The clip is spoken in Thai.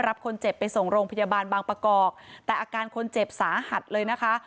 รับคนเจ็บไปส่งโรงพยาบาลบางประกอบแต่อาการคนเจ็บสาหัสเลยนะคะ